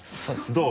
どう？